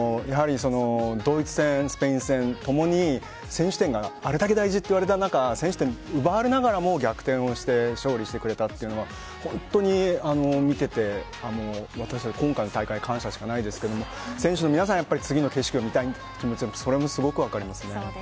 ドイツ戦、スペイン戦ともに先取点があれだけ大事と言われた中で奪われながらも逆転をして勝利してくれたというのは本当に見ていて今回の大会、感謝しかないですが選手の皆さんが次の景色を見たいという気持ちはそれもすごく分かりますね。